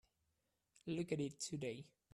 Look at it today.